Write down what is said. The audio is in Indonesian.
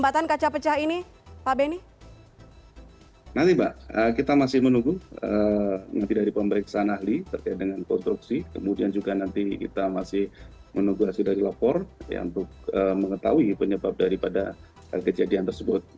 bagaimana pernyataan dari pemeriksaan ahli terkait dengan konstruksi kemudian juga nanti kita masih menugasi dari lapor untuk mengetahui penyebab daripada kejadian tersebut